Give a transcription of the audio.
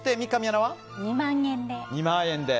２万円で。